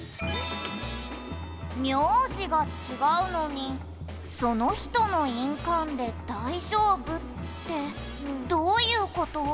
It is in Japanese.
「名字が違うのにその人の印鑑で大丈夫ってどういう事？」